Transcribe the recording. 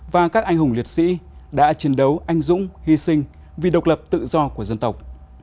và các anh hùng liệt sĩ đã chiến đấu anh dũng hy sinh vì độc lập tự do của dân tộc